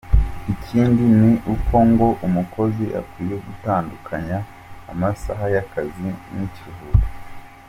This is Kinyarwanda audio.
Ikindi ni uko ngo umukozi akwiye gutandukanya amasaha y’ akazi n’ ikiruhuko.